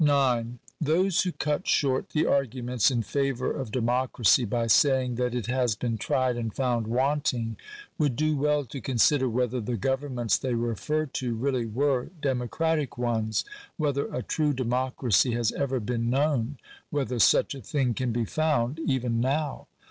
Those who cut short the arguments in favour of democracy by saying that it has been tried and found wanting, would do well to consider whether the governments they refer to really were democratic ones — whether a true democracy has ever been known — whether such a thing can be found even now.